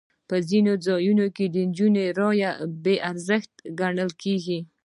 په ځینو ځایونو کې د نجونو رایه بې ارزښته ګڼل کېږي.